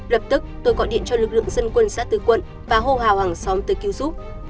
lập tức tôi gọi điện cho lực lượng dân quân xã tư quận và hô hào hàng xóm tới cứu giúp